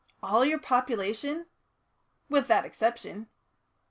"All your population?" "With that exception."